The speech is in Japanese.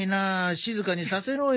静かにさせろよ。